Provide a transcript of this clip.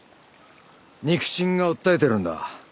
肉親が訴えてるんだ。